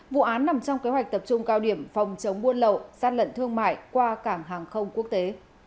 vụ án nằm trong kế hoạch tập trung cao điểm phòng chống buôn lậu gian lận thương mại qua cảng hàng không quốc tế